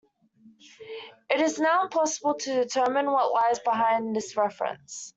It is now impossible to determine what lies behind this reference.